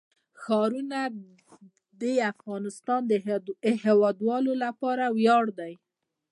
ښارونه د افغانستان د هیوادوالو لپاره ویاړ دی.